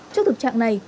trước thực trạng này